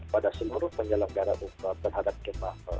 pada seluruh penyelenggara umroh terhadap jemaah